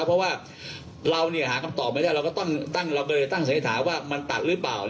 เพราะว่าเราหาคำตอบไม่ได้เราก็ต้องเราตั้งเศรษฐาว่ามันตัดหรือเปล่า